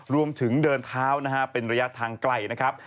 เดินเท้านะฮะเป็นระยะทางไกลนะครับ